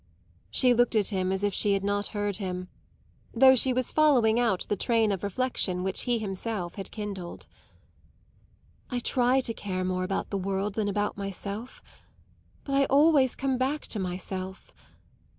She looked at him as if she had not heard him though she was following out the train of reflexion which he himself had kindled. "I try to care more about the world than about myself but I always come back to myself.